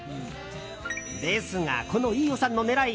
ですが、この飯尾さんの狙い